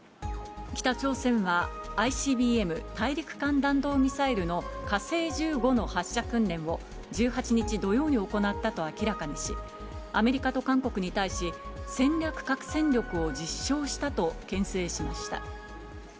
北朝鮮はＩＣＢＭ・大陸間弾道ミサイルの火星１５の発射訓練を１８日土曜に行ったと明らかにし、アメリカと韓国に対し、戦略核戦力を実証したとけん制しました。